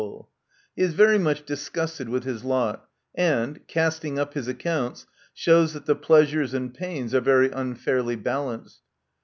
He is very much disgusted with his lot, and, casting up his accounts, shows that the pleasures and pains are very unfairly balanced.